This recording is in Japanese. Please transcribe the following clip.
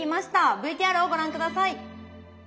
ＶＴＲをご覧下さい。